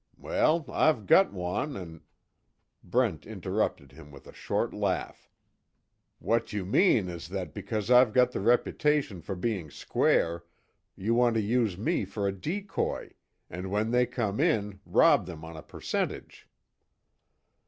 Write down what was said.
Well, I've got one, an' " Brent interrupted him with a short laugh: "What you mean is that because I've got the reputation for being square, you want to use me for a decoy, and when they come in, rob them on a percentage."